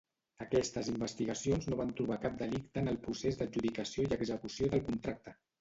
Aquestes investigacions no van trobar cap delicte en el procés d'adjudicació i execució del contracte.